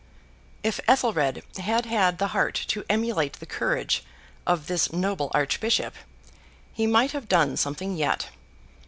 If Ethelred had had the heart to emulate the courage of this noble archbishop, he might have done something yet.